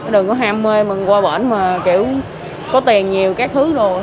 đừng có ham mê mình qua bển mà kiểu có tiền nhiều các thứ đâu